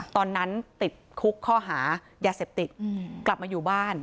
ตอนนั้นติดคุกข้อหายาเสพติดกลับมาอยู่บ้าน